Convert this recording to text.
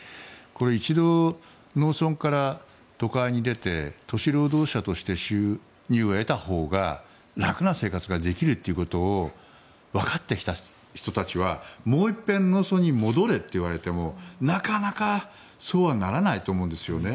一度、農村から都会に出て都市労働者として収入を得たほうが楽な生活ができるということをわかってきた人たちはもう一遍農村に戻れと言われてもなかなかそうはならないと思うんですよね。